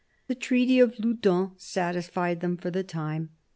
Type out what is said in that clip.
The treaty of Loudun satisfied them for the time.